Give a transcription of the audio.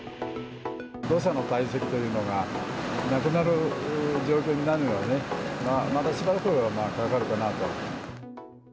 土砂の堆積というのがなくなる状況になるのがね、まだしばらくかかるかなと。